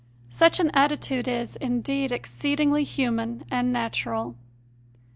~ SflcrT^an attitude is, indeed, exceedingly human and natural.